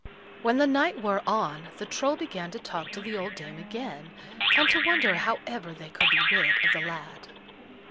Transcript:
When the night wore on, the Troll began to talk to the old dame again, and to wonder how ever they could be rid of the lad.